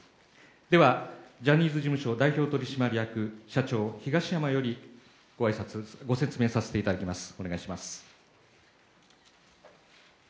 では、ジャニーズ事務所代表取締役社長東山よりご説明させていただきます。